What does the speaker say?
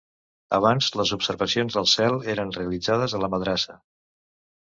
Abans, les observacions del cel eren realitzades a la madrassa.